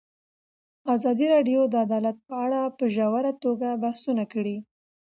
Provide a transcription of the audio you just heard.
ازادي راډیو د عدالت په اړه په ژوره توګه بحثونه کړي.